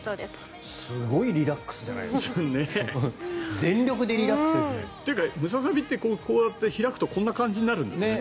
すごいリラックスじゃないですか全力でリラックスですね。というかムササビって開くとこんな感じになるんですね。